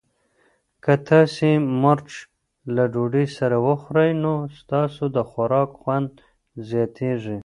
که تاسي مرچ له ډوډۍ سره وخورئ نو ستاسو د خوراک خوند زیاتیږي.